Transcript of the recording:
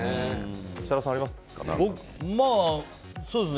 設楽さん、ありますか？